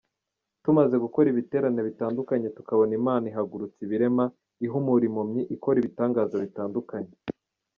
Tumaze gukora ibiterane bitandukanye tukabona Imana ihagurutsa ibirema, ihumura impumyi, ikora ibitangaza bitandukanye.